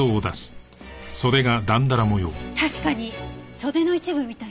確かに袖の一部みたいね。